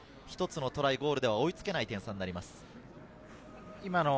１つのトライ、ゴールでは追いつけない点差になります。